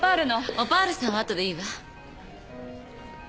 オパールさんは後でいいわ。